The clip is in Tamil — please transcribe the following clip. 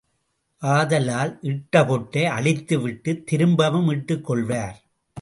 ஆதலால் இட்ட பொட்டை அழித்து விட்டுத் திரும்பவும் இட்டுக் கொள்வார்.